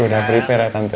udah prepare ya tante